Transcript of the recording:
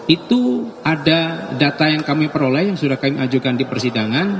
itu ada data yang kami peroleh yang sudah kami ajukan di persidangan